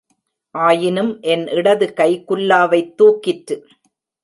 ஆயினும் என் இடதுகை குல்லாவைத் தூக்கிற்று.